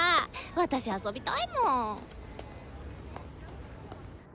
私遊びたいもん！